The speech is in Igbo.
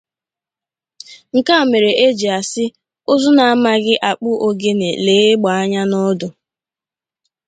Nke a mere e ji asị ụzụ na-amaghị akpụ ogene lee egbe anya n' odu.